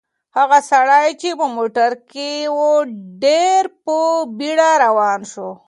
هغه سړی چې په موټر کې و ډېر په بیړه روان شو.